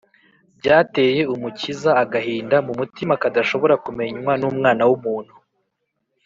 byateye umukiza agahinda mu mutima kadashobora kumenywa n’umwana w’umuntu